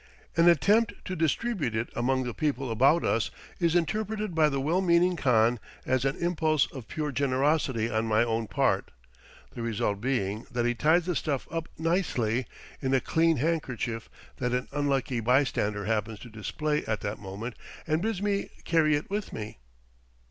An attempt to distribute it among the people about us is interpreted by the well meaning khan as an impulse of pure generosity on my own part; the result being that he ties the stuff up nicely in a clean handkerchief that an unlucky bystander happens to display at that moment and bids me carry it with me.